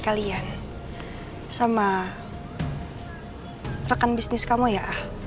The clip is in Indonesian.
ngapain kamu ke jendela saya